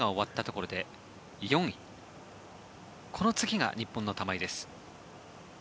この次が日本の玉井です。